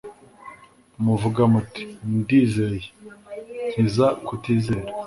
muvuga muti : "Ndizeye! Nkiza kutizera."